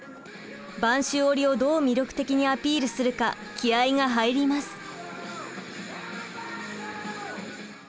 播州織をどう魅力的にアピールするか気合いが入ります。